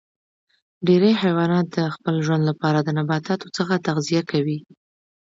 ډیری حیوانات د خپل ژوند لپاره د نباتاتو څخه تغذیه کوي